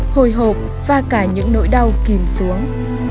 hồi hộp và cả những nỗi đau kìm xuống